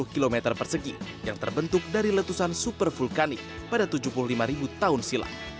dua puluh km persegi yang terbentuk dari letusan super vulkanik pada tujuh puluh lima tahun silam